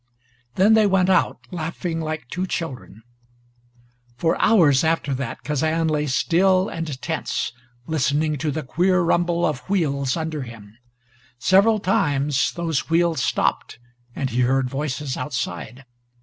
Then they went out, laughing like two children. For hours after that, Kazan lay still and tense, listening to the queer rumble of wheels under him. Several times those wheels stopped, and he heard voices outside.